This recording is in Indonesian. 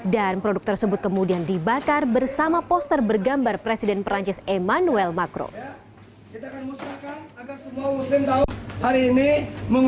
dan produk tersebut kemudian dibakar bersama poster bergambar presiden perancis emmanuel macron